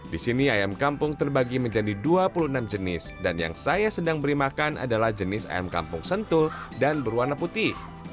di sini ayam kampung terbagi menjadi dua puluh enam jenis dan yang saya sedang beri makan adalah jenis ayam kampung sentul dan berwarna putih